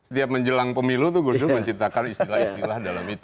setiap menjelang pemilu tuh gus dur menciptakan istilah istilah dalam itu